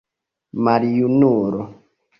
maljunulo